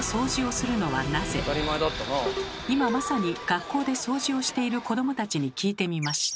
今まさに学校で掃除をしている子どもたちに聞いてみました。